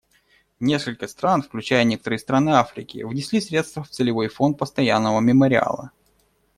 Несколько стран, включая некоторые страны Африки, внесли средства в Целевой фонд постоянного мемориала.